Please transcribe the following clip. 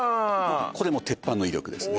これもう鉄板の威力ですね